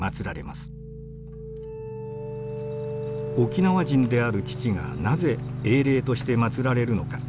沖縄人である父がなぜ英霊として祭られるのか。